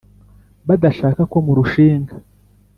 badashaka ko murushinga